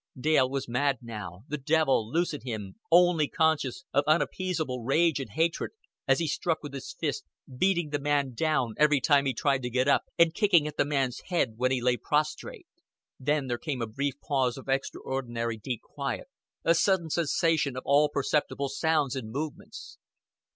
Dale was mad now the devil loose in him only conscious of unappeasable rage and hatred, as he struck with his fists, beating the man down every time he tried to get up, and kicking at the man's head when he lay prostrate. Then there came a brief pause of extraordinary deep quiet, a sudden cessation of all perceptible sounds and movements.